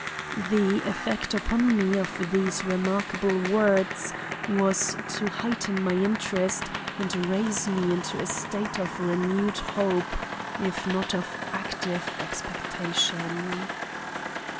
The effect upon me of these remarkable words was to heighten my interest and raise me into a state of renewed hope, if not of active expectation.